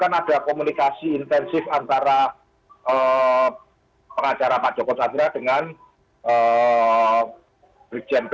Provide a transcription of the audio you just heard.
karena ada komunikasi intensif antara pengacara pak joko tjadenee dengan orang indonesia